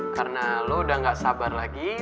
karena lo udah gak sabar lagi